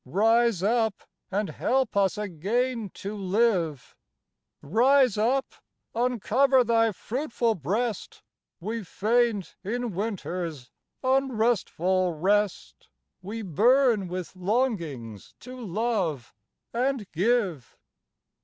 "Rise up! and help us again to live, Rise up! uncover thy fruitful breast, We faint in winter's unrestful rest, We burn with longings to love and give."